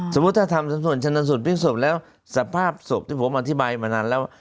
สมมุติถ้าทำสำนวนชนสูตรพลิกศพแล้วสภาพศพที่ผมอธิบายมานานแล้ว